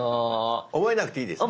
覚えなくていいですか？